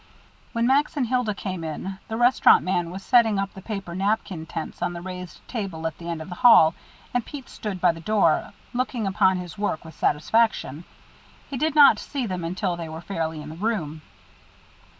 When Max and Hilda came in, the restaurant man was setting up the paper napkin tents on the raised table at the end of the hall, and Pete stood by the door, looking upon his work with satisfaction. He did not see them until they were fairly in the room.